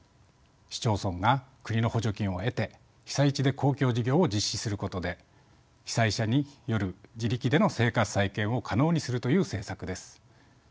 市町村が国の補助金を得て被災地で公共事業を実施することで被災者による自力での生活再建を可能にするという政策です。